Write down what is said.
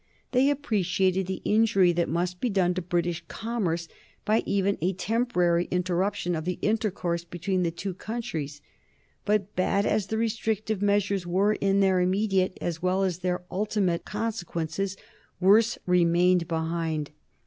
They appreciated the injury that must be done to British commerce by even a temporary interruption of the intercourse between the two countries. But bad as the restrictive measures were in their immediate, as well as in their ultimate consequences, worse remained behind.